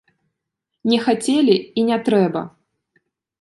Не хацелі, і не трэба!